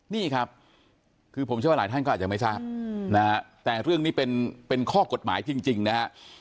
นี่ครับคือผมเชื่อว่าหลายท่านก็อาจจะไม่ทราบนะฮะแต่เรื่องนี้เป็นข้อกฎหมายจริงนะฮะ